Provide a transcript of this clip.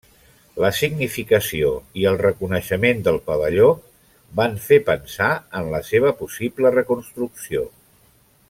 La significació i el reconeixement del Pavelló van fer pensar en la seva possible reconstrucció.